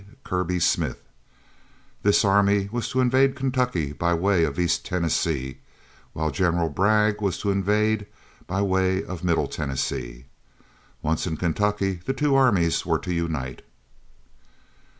Kirby Smith; this army was to invade Kentucky by way of East Tennessee, while General Bragg was to invade by way of Middle Tennessee. Once in Kentucky, the two armies were to unite.